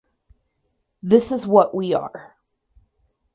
This is what we are!